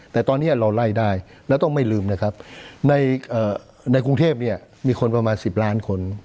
แต่ตอนนี้เราไล่ได้แล้วต้องไม่ลืมนะครับในกรุงเทพเนี่ยมีคนประมาณ๑๐ล้านคน